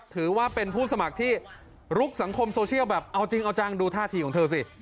ถือว่าเป็นผู้สมัครที่ลุกสังคมโซเชียลแบบเอาจริงเอาจังดูท่าทีของเธอสิ